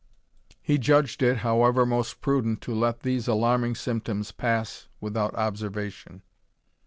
He judged it, however, most prudent to let these alarming symptoms pass without observation.